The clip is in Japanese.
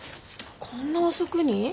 こんな遅くに？